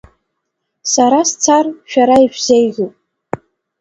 Сара сцар, шәара ишәзеиӷьуп.